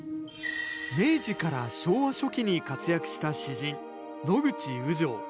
明治から昭和初期に活躍した詩人野口雨情。